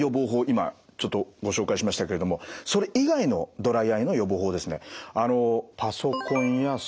今ちょっとご紹介しましたけれどもそれ以外のドライアイの予防法ですね